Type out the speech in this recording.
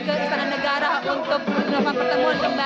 dari kadin dan juga cii pengusaha india dan juga indonesia